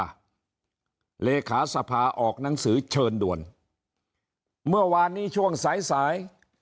เลขาสภาออกหนังสือเชิญด่วนเมื่อวานนี้ช่วงสายสาย